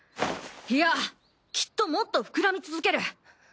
いやきっともっと膨らみ続ける。